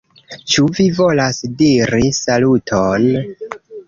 Ĉu vi volas diri saluton?